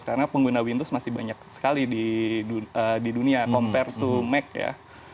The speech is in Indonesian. karena pengguna windows masih banyak sekali di dunia compared to mac ya